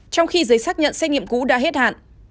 trong khi giấy xác nhận xét nghiệm cũ đã hết hạn